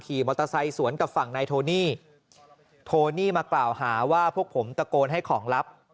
มอเตอร์ไซค์สวนกับฝั่งนายโทนี่โทนี่มากล่าวหาว่าพวกผมตะโกนให้ของลับ